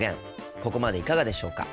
ここまでいかがでしょうか？